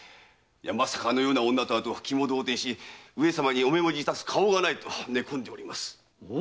まさかあのような女とはと動転し上様に御目文字いたす顔がないと寝込んでおります。